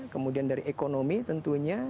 kemudian dari ekonomi tentunya